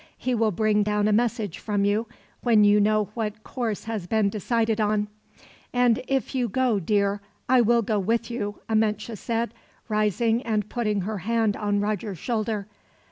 He will bring down a message from you, when you know what course has been decided on." "And if you go, dear, I will go with you," Amenche said, rising and putting her hand on Roger's shoulder.